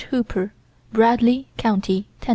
Hooper, Bradley Co., Tenn.